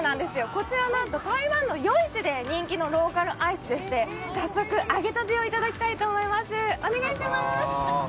こちらなんと台湾の夜市で人気のローカルアイスでして、早速、揚げたてをいただきたいと思います。